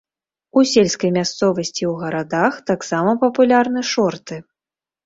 У сельскай мясцовасці і ў гарадах таксама папулярны шорты.